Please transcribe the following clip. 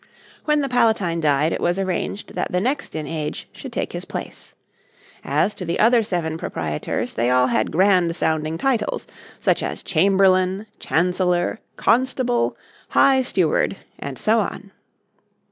When the Palatine died it was arranged that the next in age should take his place. As to the other seven proprietors they all had grand sounding titles, such as Chamberlain, Chancellor, Constable, High Steward, and so on.